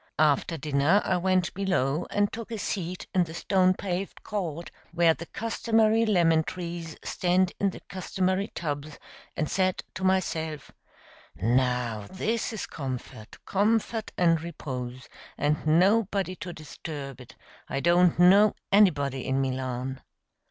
After dinner I went below and took a seat in the stone paved court, where the customary lemon trees stand in the customary tubs, and said to myself, "Now this is comfort, comfort and repose, and nobody to disturb it; I do not know anybody in Milan."